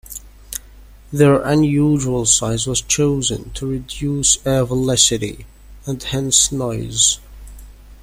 Their unusual size was chosen to reduce air velocity and hence noise.